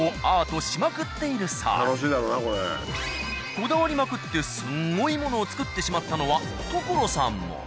こだわりまくってスンゴイものをつくってしまったのは所さんも。